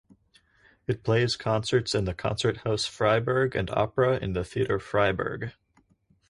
It plays concerts in the Konzerthaus Freiburg and opera in the Theater Freiburg.